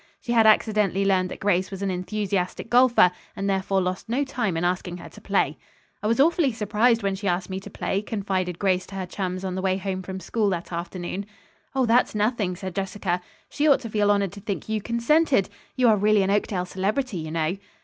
She had accidentally learned that Grace was an enthusiastic golfer, and therefore lost no time in asking her to play. "I was awfully surprised when she asked me to play," confided Grace to her chums on the way home from school that afternoon. "Oh, that's nothing," said Jessica. "She ought to feel honored to think you consented. You are really an Oakdale celebrity, you know."